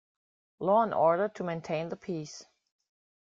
Law and order to maintain the peace.